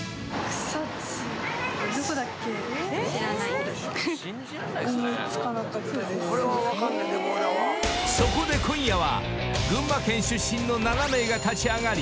［そこで今夜は群馬県出身の７名が立ち上がり］